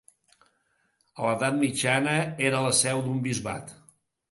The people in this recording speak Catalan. A l'edat mitjana era la seu d'un bisbat.